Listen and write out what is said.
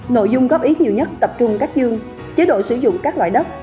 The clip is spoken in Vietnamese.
nội dung góp ý nhiều nhất tập trung các chương chế độ sử dụng các loại đất